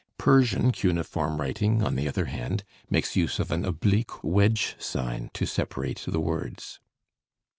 Persian cuneiform writing, on the other hand, makes use of an oblique wedge sign to separate the words.